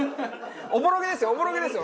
おぼろげですよ！